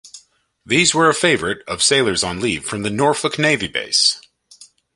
These were a favorite of sailors on leave from the Norfolk Navy Base.